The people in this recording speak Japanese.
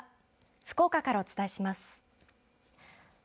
福岡からお伝えします。